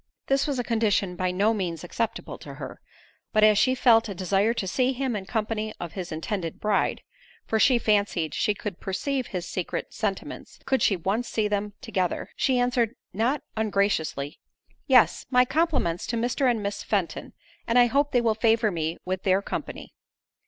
This was a condition by no means acceptable to her; but as she felt a desire to see him in company of his intended bride, (for she fancied she could perceive his secret sentiments, could she once see them together) she answered not ungraciously, "Yes, my compliments to Mr. and Miss Fenton, and I hope they will favour me with their company."